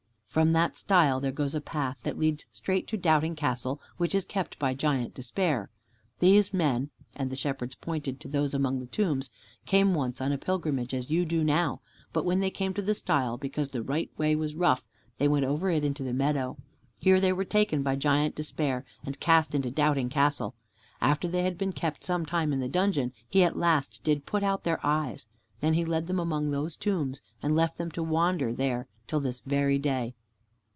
"From that stile," said the Shepherds, "there goes a path that leads straight to Doubting Castle, which is kept by Giant Despair. These men," and the Shepherds pointed to those among the tombs, "came once on a pilgrimage as you do now. But when they came to the stile, because the right way was rough, they went over it into the meadow. Here they were taken by Giant Despair and cast into Doubting Castle. After they had been kept some time in the dungeon, he at last did put out their eyes. Then he led them among those tombs, and left them to wander there till this very day."